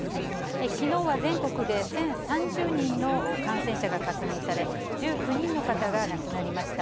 きのうは全国で１０３０人の感染者が確認され、１９人の方が亡くなりました。